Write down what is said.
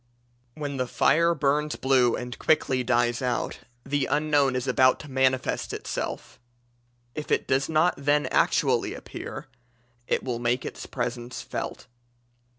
When the fire burns blue and quickly dies out, the Unknown is about to manifest itself; if it does not then actually appear it will make its presence felt.